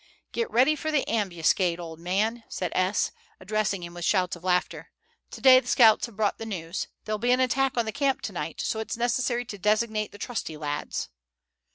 "Get ready for the ambuscade, old man," said S., addressing him with shouts of laughter. "To day the scouts have brought the news, there'll be an attack on the camp to night, so it's necessary to designate the trusty lads."